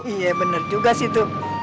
iya bener juga sih tuh